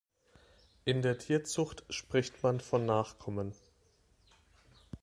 In der Tierzucht spricht man von Nachkommen.